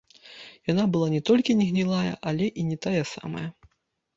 Яна была не толькі не гнілая, але і не тая самая.